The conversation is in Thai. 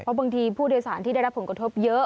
เพราะบางทีผู้โดยสารที่ได้รับผลกระทบเยอะ